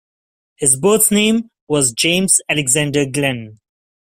His birth name was James Alexander Glenn.